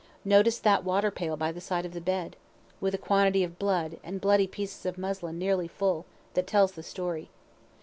Notice that water pail by the side of the bed, with a quantity of blood and bloody pieces of muslin, nearly full; that tells the story.